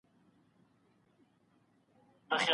ږیره لرونکی سړی باید ډوډۍ او مڼه راوړي.